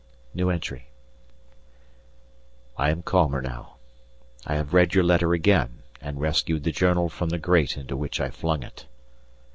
I am calmer now; I have read your letter again and rescued the journal from the grate into which I flung it.